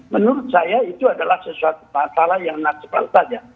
menurut saya itu adalah sesuatu masalah yang naktifal saja